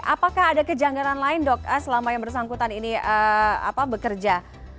apakah ada kejanggalan lain dok selama yang bersangkutan ini bekerja